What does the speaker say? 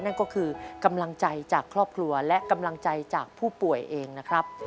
นั่นก็คือกำลังใจจากครอบครัวและกำลังใจจากผู้ป่วยเองนะครับ